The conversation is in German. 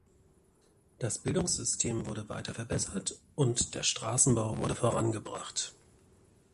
Das Bildungssystem wurde weiter verbessert und der Straßenbau wurde vorangebracht.